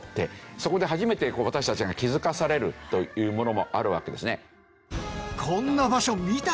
そこで初めて私たちが気づかされるというものもあるわけですね。